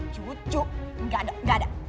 cucu gak ada gak ada